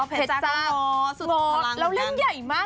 เผชจ้าเงาสุดพลังเหมือนกันอเรนนี่แล้วเรื่องใหญ่มาก